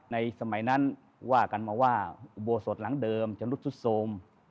ในสมัยนั้นว่ากันมาว่าอุโบสถหลังเดิมจะรุดสุดโทรม